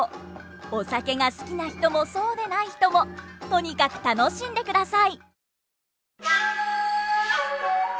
お酒が好きな人もそうでない人もとにかく楽しんでください！